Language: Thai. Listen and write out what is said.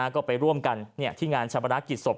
ก็ไปร่วมกันที่งานชาปนักกิจศพ